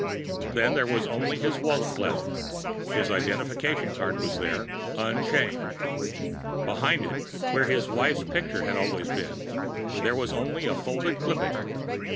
Then there was only his wallet left. His identification card was there, unchanged. Behind it, where his wife's picture had always been, there was only a folded clipping.